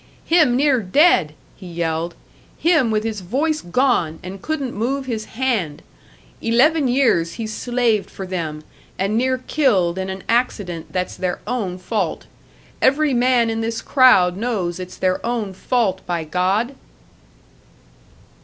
"Him near dead!" he yelled. "Him with his voice gone, and couldn't move his hand! Eleven years he's slaved for them, and near killed in an accident that's their own fault every man in this crowd knows it's their own fault, by God!"